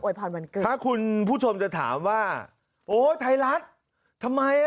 โอยพรณ์วันเกิดถ้าคุณผู้ชมจะถามว่าโอ้ยไทยรัฐทำไม